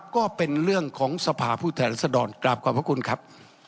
ก็เป็นเรื่องของสภาพูดแถลสะดอนกราบความขอบคุณครับ